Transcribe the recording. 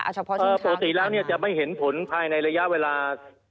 ว่าบททีแล้วจะไม่เห็นผลภายในระยะเวลา